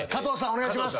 お願いします。